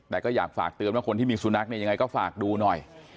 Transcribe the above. แต่ก็อยากฝากเตือนว่าคนที่มีสุนัขเนี่ยยังไงก็ฝากดูหน่อย